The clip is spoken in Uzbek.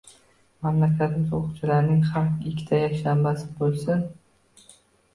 Mamlakatimiz o‘qituvchilarining ham ikkita yakshanbasi bo’lsin.